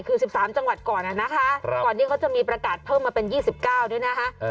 คือ๑๓จังหวัดก่อนนะคะก่อนที่เขาจะมีประกาศเพิ่มมาเป็น๒๙ด้วยนะคะ